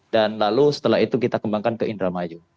dan lalu setelah itu kita kembangkan ke indramayu